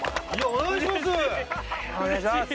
お願いします！